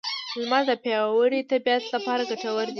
لمر د پیاوړې طبیعت لپاره ګټور دی.